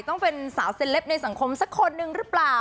ต้องเป็นสาวเซลปในสังคมสักคนนึงหรือเปล่า